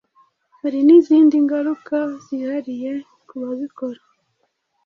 hari n’izindi ngaruka zihariye ku babikora